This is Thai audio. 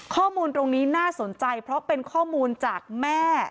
ข้อมูลตรงนี้น่าสนใจเพราะเป็นข้อมูลจากแม่